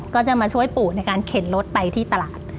ก็จะมาช่วยปู่ในการเข็นรถไปที่ตลาด